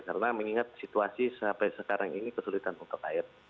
karena mengingat situasi sampai sekarang ini kesulitan untuk air